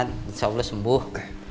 semoga semuanya sembuh